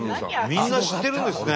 みんな知ってるんですね。